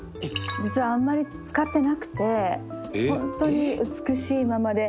「実はあんまり使ってなくてホントに美しいままで」